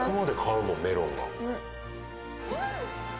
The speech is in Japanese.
うん！